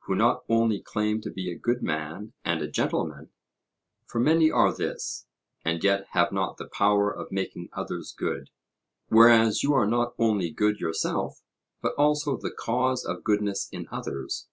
who not only claim to be a good man and a gentleman, for many are this, and yet have not the power of making others good whereas you are not only good yourself, but also the cause of goodness in others.